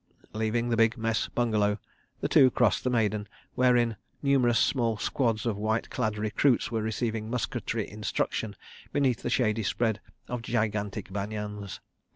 Leaving the big Mess bungalow, the two crossed the maidan, wherein numerous small squads of white clad recruits were receiving musketry instruction beneath the shady spread of gigantic banyans.